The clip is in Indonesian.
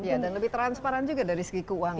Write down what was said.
iya dan lebih transparan juga dari segi keuangan